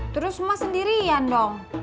terus ma sendirian dong